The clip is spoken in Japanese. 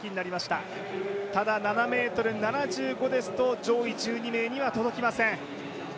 ただ７ｍ７５ですと上位１２名には届きません。